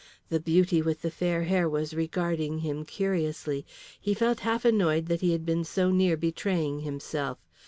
The beauty with the fair hair was regarding him curiously. He felt half annoyed that he had been so near betraying himself.